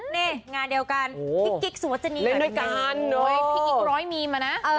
นี่งานเดียวกันพีคกริกสุดวัตรใจไหม